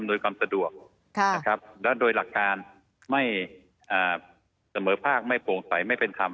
อำนวยความสะดวกโดยหลักการไม่เสมอภาคไม่โปร่งใสไม่เป็นธรรม